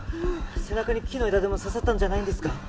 背中に木の枝でも刺さったんじゃないんですか？